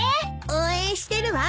応援してるわ。